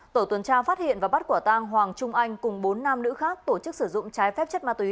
tổ tuần tra phát hiện và bắt quả tang hoàng trung anh cùng bốn nam nữ khác tổ chức sử dụng trái phép chất ma túy